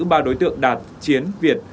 ba đối tượng đạt chiến việt